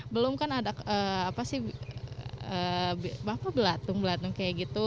belum kan ada belatung belatung kayak gitu